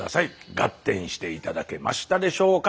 ガッテンして頂けましたでしょうか？